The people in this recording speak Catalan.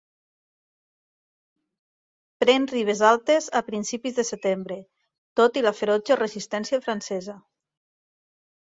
Pren Ribesaltes a principis de setembre, tot i la ferotge resistència francesa.